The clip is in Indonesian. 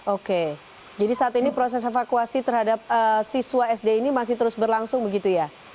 oke jadi saat ini proses evakuasi terhadap siswa sd ini masih terus berlangsung begitu ya